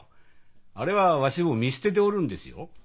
あれはわしを見捨てておるんですよ。